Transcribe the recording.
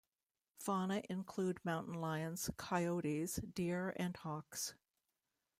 Fauna include mountain lions, coyotes, deer and hawks.